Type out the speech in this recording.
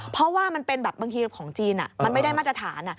เพราะว่ามันเป็นแบบบางทีของจีนมันไม่ได้มาตรฐาน